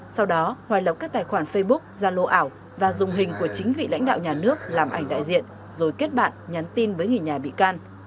sau đó hoài lập các tài khoản facebook ra lô ảo và dùng hình của chính vị lãnh đạo nhà nước làm ảnh đại diện rồi kết bạn nhắn tin với người nhà bị can